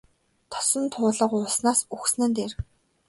Тосон туулга ууснаас үхсэн нь дээр.